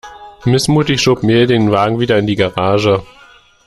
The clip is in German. Missmutig schob Mel den Wagen wieder in die Garage.